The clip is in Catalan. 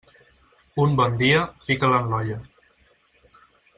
Un bon dia, fica'l en l'olla.